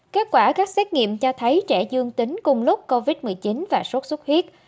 kết quả các xét nghiệm cho thấy trẻ dương tính cùng lúc covid một mươi chín và sốt sốt huyết